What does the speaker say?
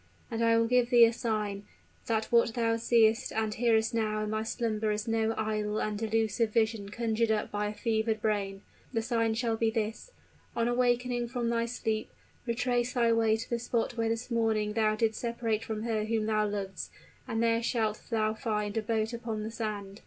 And I will give thee a sign, that what thou seest and hearest now in thy slumber is no idle and delusive vision conjured up by a fevered brain. The sign shall be this: On awaking from thy sleep, retrace thy way to the spot where this morning thou didst separate from her whom thou lovest; and there shalt thou find a boat upon the sand.